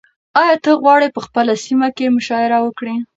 ایا ته غواړې په خپله سیمه کې مشاعره وکړې؟